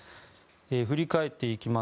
振り返っていきます